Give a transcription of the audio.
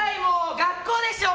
学校でしょ！